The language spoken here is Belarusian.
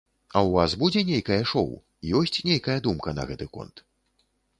А ў вас будзе нейкае шоў, ёсць нейкая думка на гэты конт?